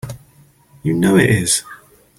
You know it is!